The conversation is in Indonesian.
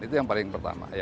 itu yang paling pertama